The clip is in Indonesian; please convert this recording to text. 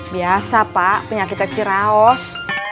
biasa pak penyakit ciraos